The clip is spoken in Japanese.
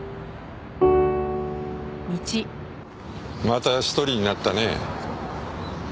また１人になったねえ。